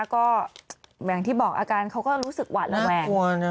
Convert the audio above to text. ก็อย่างที่บอกอาการเขาก็รู้สึกหวาดระแวง